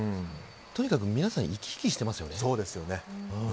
とにかく皆さん生き生きしてますよね。